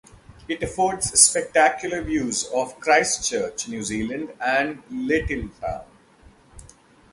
It affords spectacular views of Christchurch, New Zealand and Lyttelton.